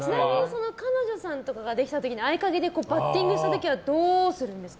彼女さんとかができた時に合鍵でバッティングした時はどうするんですか？